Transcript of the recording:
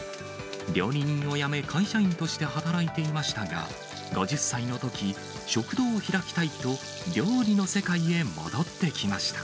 料理人を辞め、会社員として働いていましたが、５０歳のとき、食堂を開きたいと料理の世界へ戻ってきました。